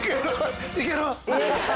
いける？